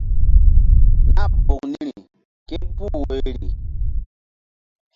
Nah poŋ niri ké puh woyri.